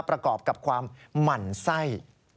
ประกอบกับความหมั่นไส้